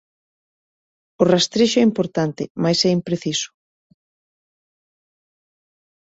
O rastrexo é importante, mais é impreciso.